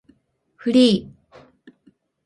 フリー